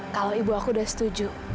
kalau ibu aku udah setuju